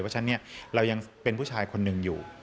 เพราะฉะนั้นเรายังเป็นผู้ชายคนหนึ่งอยู่